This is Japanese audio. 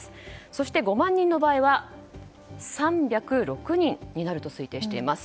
そして５万人の場合は３０６人になると推定しています。